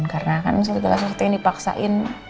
karena kan setelah suatu yang dipaksain